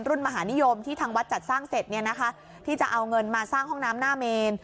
มหานิยมที่ทางวัดจัดสร้างเสร็จเนี่ยนะคะที่จะเอาเงินมาสร้างห้องน้ำหน้าเมน